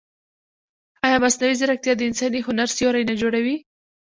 ایا مصنوعي ځیرکتیا د انساني هنر سیوری نه جوړوي؟